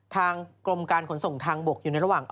ทางกรมการขนส่งทางบกอยู่ในระหว่าง